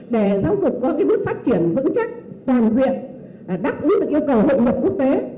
để giáo dục có bước phát triển vững chắc toàn diện đáp ứng được yêu cầu hội nhập quốc tế